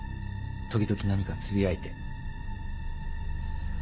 時々何かつぶやいて。